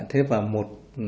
thế và một